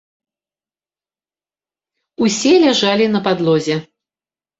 Усе ляжалі на падлозе.